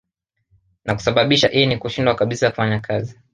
Na kusababisha ini kushindwa kabisa kufanya kazi